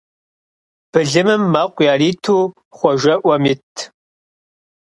Былымым мэкъу яриту Хъуэжэ Ӏуэм итт.